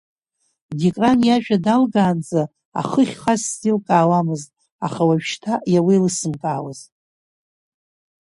Дикран иажәа далгаанӡа ахы ахьхаз сзеилкаауамызт, аха уажәшьҭа иауеилысымкаауаз!